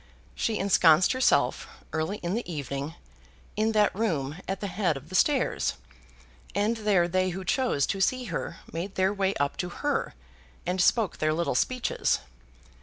She ensconced herself, early in the evening, in that room at the head of the stairs, and there they who chose to see her made their way up to her, and spoke their little speeches.